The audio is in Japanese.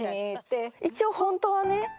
一応本当はね